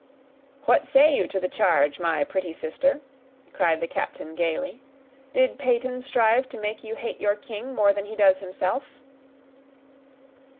"What say you to the charge, my pretty sister?" cried the captain gayly; "did Peyton strive to make you hate your king, more than he does himself?"